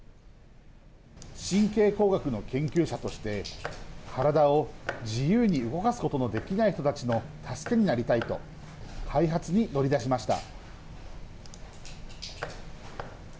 神経工学の研究者として体を自由に動かすことのできない人たちの助けになりたいと開発に乗り出しました。